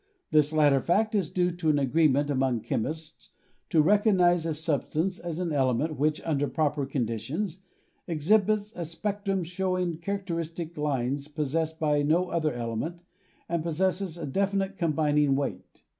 This latter fact is due to an agreement among chemists to recognize a substance as an element which, under proper conditions, exhibits a spectrum show ing characteristic lines possessed by no other element and possesses a definite combining weight.